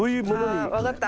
あ分かった。